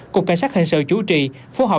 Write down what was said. cục cảnh sát hình sự chủ trì phô hợp